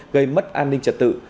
gây mất an ninh trật tự